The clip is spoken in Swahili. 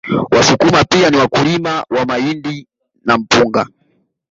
Wasukuma pia ni wakulima wa mahindi na mpunga